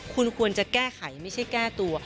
คุณควรจะแก้ไขไม่ใช่แก้ตัว